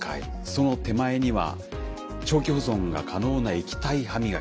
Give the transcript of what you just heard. その手前には長期保存が可能な液体はみがき。